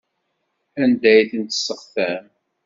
Anda ay ten-tesseɣtam?